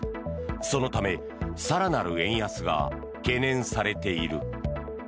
そのため更なる円安が懸念されている。